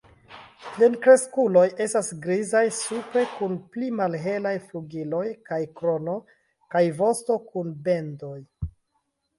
Plenkreskuloj estas grizaj supre kun pli malhelaj flugiloj kaj krono, kaj vosto kun bendoj.